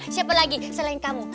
siapa lagi selain kamu